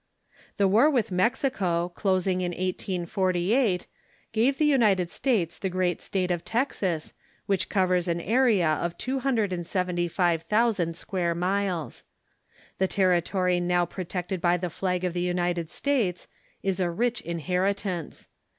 The war with Mexico, closing in 1848, gave the POLITICAL FRAMEWORK OF THE COLONIES 455 United States the great State of Texas, which covers an area of two hundred and seventy five thousand square miles. The territory now protected by the flag of the United States is a rich inlieritance.